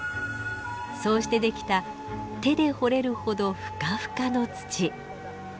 そうして出来た手で掘れるほどふかふかの土。